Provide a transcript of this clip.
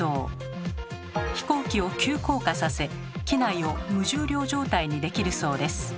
飛行機を急降下させ機内を無重量状態にできるそうです。